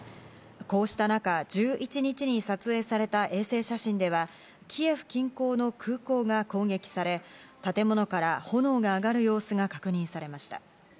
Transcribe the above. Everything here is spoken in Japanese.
こうした中、１１日に撮影された衛星写真ではキエフ近郊の空港が攻撃され、建物から炎が上がる様子が確認されました。